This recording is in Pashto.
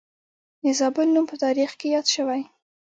د زابل نوم په تاریخ کې یاد شوی